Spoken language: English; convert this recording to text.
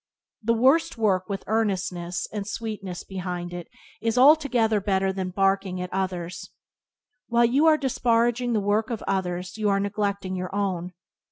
The worst work with earnestness and sweetness behind it is altogether better than barking at others. While you are disparaging the work of others you are neglecting your own.